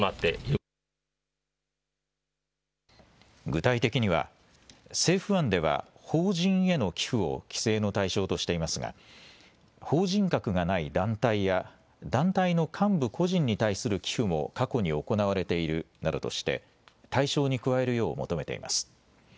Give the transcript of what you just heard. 具体的には政府案では法人への寄付を規制の対象としていますが法人格がない団体や団体の幹部個人に対する寄付も過去に行われているなどとして対象に加えるよう求めています。